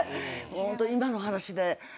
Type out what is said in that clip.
ホントに今の話で。